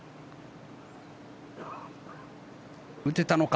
打てたのか。